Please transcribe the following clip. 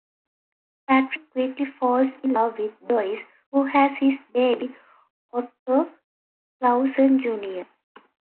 Patrick quickly falls in love with Doris, who has his baby, Otto Clausen Junior.